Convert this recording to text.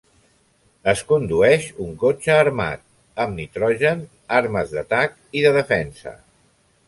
Es condueix un cotxe armat, amb nitrogen, armes d'atac i de defensa.